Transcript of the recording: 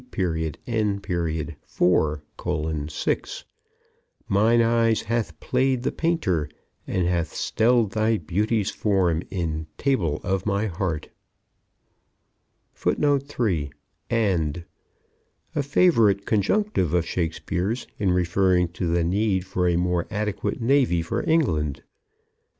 N. 4:6, "Mine eye hath play'd the painter, and hath stell'd thy beauty's form in table of my heart." 3. and. A favorite conjunctive of Shakespeare's in referring to the need for a more adequate navy for England.